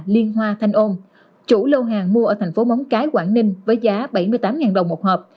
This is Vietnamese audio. liên hoa thanh ôn chủ lâu hàng mua ở tp móng cái quảng ninh với giá bảy mươi tám đồng một hộp